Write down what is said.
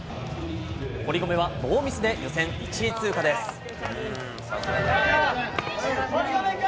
堀米はノーミスで予選１位通堀米君！